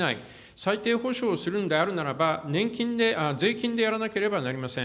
最低保障するんであるならば、年金で、税金でやらなければなりません。